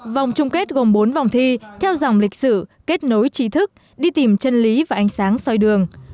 vòng chung kết gồm bốn vòng thi theo dòng lịch sử kết nối trí thức đi tìm chân lý và ánh sáng soi đường